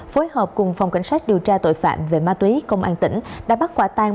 phối hợp cùng phòng cảnh sát điều tra tội phạm về ma túy công an tỉnh đã bắt quả tang